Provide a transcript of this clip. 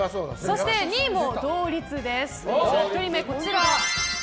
そして２位も同率です。